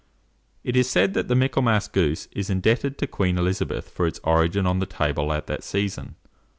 It is said that the Michaelmas goose is indebted to Queen Elizabeth for its origin on the table at that season.